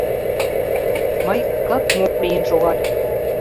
Мый кык-мук лийын шогальым.